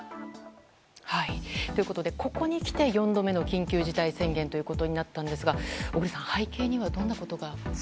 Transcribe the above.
ということでここにきて４度目の緊急事態宣言になったんですが小栗さん背景にはどんなことが？